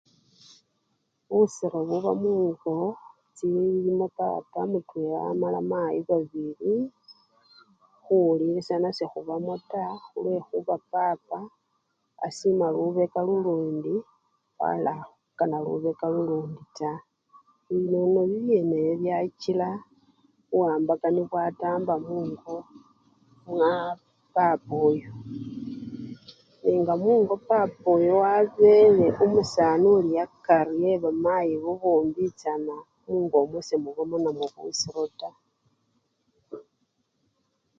Busiro buba mungo chilimo papa mutwela mala mayi babili, khuwulilisyana sekhubamo taa, lwekhuba papa asima lubeka lulundi wala khukana lubeka lulundi taa. Nono bibyene ebwo bwakila buwambakani mwadamba mungomwo mwababa oyo nega mungo mwabele omusani webamayi apo bosi ebwo sebibamo taa.